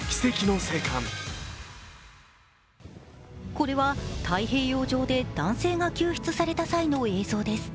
これは、太平洋上で男性が救出された際の映像です。